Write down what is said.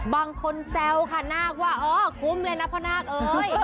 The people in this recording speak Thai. บางคนแซวค่ะน่ากว่าอ๋อคุ้มเลยนะพนักเอ๋ย